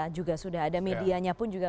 juga sudah ada medianya pun juga